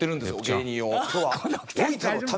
芸人を。